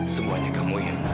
semuanya kamu yang